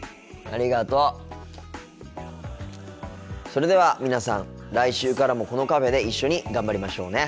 それでは皆さん来週からもこのカフェで一緒に頑張りましょうね。